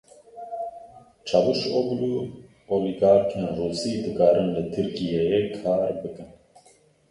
Çavuşoglu Olîgarkên Rûsî dikarin li Tirkiyeyê kar bikin.